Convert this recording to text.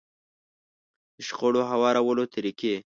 د شخړو هوارولو طريقې.